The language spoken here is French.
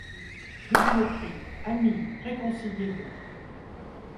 Je vous le crie : Amis ! réconciliez-vous.